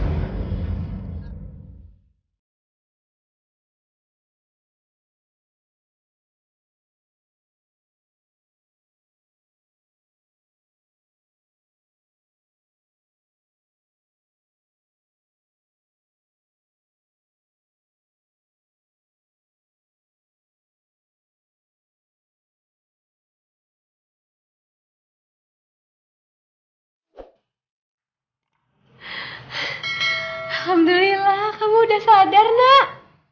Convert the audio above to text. alhamdulillah kamu sudah sadar nak